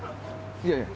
いやいや。